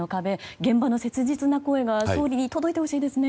現場の切実な声は総理に届いてほしいですね。